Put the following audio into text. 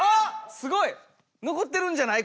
すごい。のこってるんじゃない？